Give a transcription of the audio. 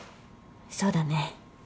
そうだね。